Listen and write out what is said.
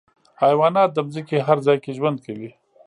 حیوانات د ځمکې هر ځای کې ژوند کوي.